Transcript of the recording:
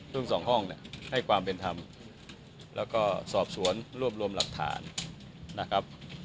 ทั้งสองห้องเนี่ยให้ความเป็นธรรมแล้วก็สอบสวนรวบรวมหลักฐานนะครับ